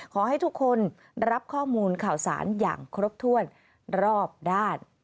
ขอให้ทุกคนรับข้อมูลข่าวสารอย่างครบถ้วนรอบด้าน